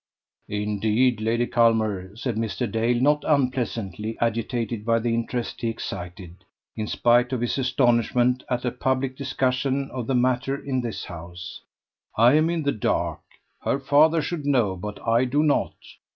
"Indeed, Lady Culmer," said Mr. Dale, not unpleasantly agitated by the interest he excited, in spite of his astonishment at a public discussion of the matter in this house, "I am in the dark. Her father should know, but I do not.